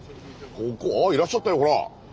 ここあっいらっしゃったよほら。